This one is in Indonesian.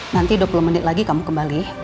nanti dua puluh menit lagi kamu kembali